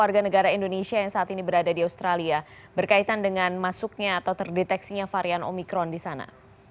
warga negara indonesia yang saat ini berada di australia berkaitan dengan masuknya atau terdeteksinya varian omikron di sana